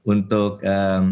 untuk generasi yang